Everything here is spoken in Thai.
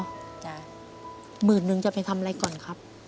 ๑๐๐๐๐บาทจะไปทำอะไรก่อนครับ